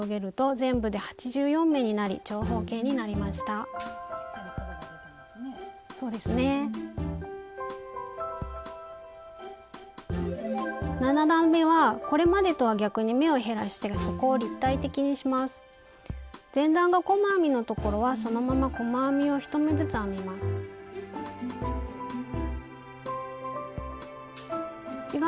前段が細編みのところはそのまま細編みを１目ずつ編みます。